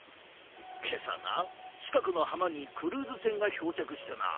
今朝な近くの浜にクルーズ船が漂着してな。